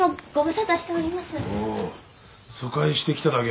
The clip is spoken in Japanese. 疎開してきただけ。